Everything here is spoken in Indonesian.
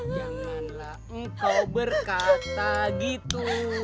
janganlah engkau berkata gitu